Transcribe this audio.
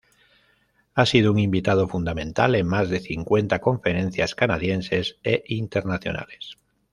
Ha sido un invitado fundamental en más de cincuenta conferencias canadienses e internacionales.